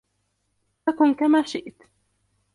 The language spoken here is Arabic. فَكُنْ كَمَا شِئْت